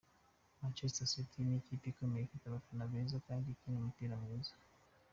Manchester City n’ikipe ikomeye ifite abafana beza kandi ikina umupira mwiza.